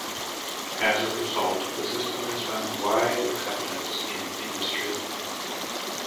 As a result, the system has found wide acceptance in industry.